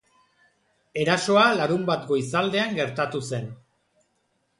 Erasoa larunbat goizaldean gertatu zen.